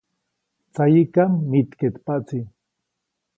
Tsayiʼkam mitkeʼtpaʼtsi.